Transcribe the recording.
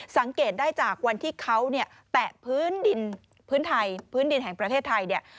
สังเกตได้จากวันที่เขาเนี่ยแตะพื้นดินพื้นไทยพื้นดินแห่งประเทศไทยเนี่ย